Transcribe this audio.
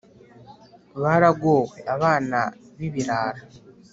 Baragowe, abana b’ibirara!